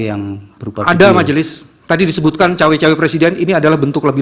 yang berupa ada majelis tadi disebutkan cawe cawe presiden ini adalah bentuk lebih